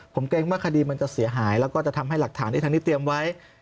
ผมเกรงว่าคดีมันจะเสียหายแล้วก็จะทำให้หลักฐานที่ทางนี้เตรียมไว้